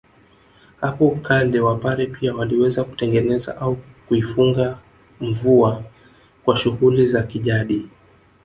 Hapo kale wapare pia waliweza kutengeneza au kuifunga mvua kwa shughuli za kijadi